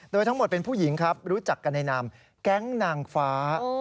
โดยทั้งหมดเป็นผู้หญิงครับรู้จักกันในนามแก๊งนางฟ้า